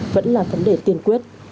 vẫn là vấn đề tiền quyết